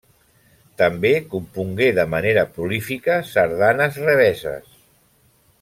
També compongué de manera prolífica sardanes revesses.